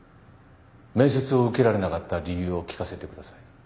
面接を受けられなかった理由を聞かせてください。